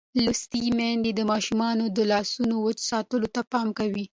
لوستې میندې د ماشومانو د لاسونو وچ ساتلو ته پام کوي.